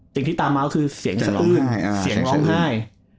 สิ่งที่ตามมาก็คือเสียงสะอื้นเสียงร้องไห้